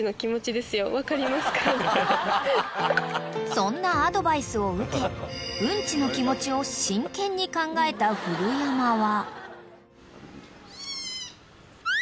［そんなアドバイスを受けうんちの気持ちを真剣に考えた古山は］